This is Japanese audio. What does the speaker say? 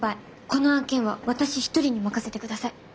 この案件は私一人に任せてください。